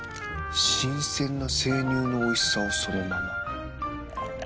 新鮮な生乳のおいしさをそのまま。